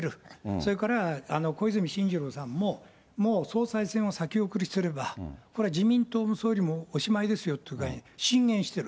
それから小泉進次郎さんも、もう総裁選を先送りすれば、これは自民党も、総理もおしまいですよって進言している。